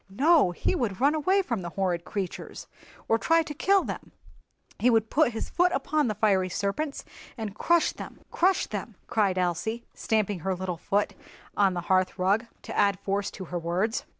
"No, he would run away from the horrid creatures, or try to kill them; he would put his foot upon the fiery serpents and crush them—crush them," cried Elsie, stamping her little foot on the hearthrug, to add force to her words.